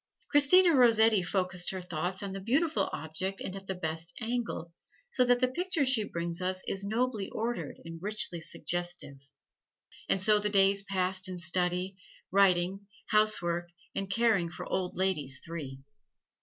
Christina Rossetti focused her thought on the beautiful object and at the best angle, so the picture she brings us is nobly ordered and richly suggestive. And so the days passed in study, writing, housework, and caring for old ladies three.